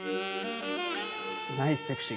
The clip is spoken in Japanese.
ナイスセクシー。